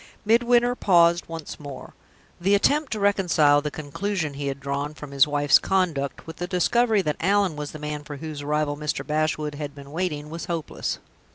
Midwinter paused once more. The attempt to reconcile the conclusion he had drawn from his wife's conduct with the discovery that Allan was the man for whose arrival Mr. Bashwood had been waiting was hopeless.